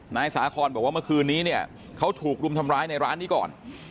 นายสาคอนบอกว่าเมื่อคืนนี้เนี่ยเขาถูกรุมทำร้ายในร้านนี้ก่อน